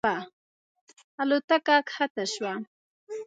الوتکه کښته شوه.